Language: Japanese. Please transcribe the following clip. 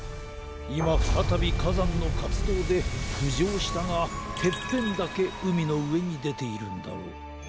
いまふたたびかざんのかつどうでふじょうしたがてっぺんだけうみのうえにでているんだろう。